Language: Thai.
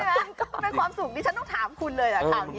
มันความสุขดิฉันต้องถามคุณเลย